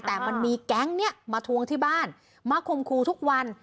แต่มันมีแก๊งนี้มาทวงที่บ้านมาคมครูทุกวัน